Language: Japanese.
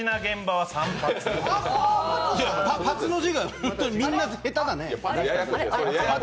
いや、髪の字がみんな下手だね。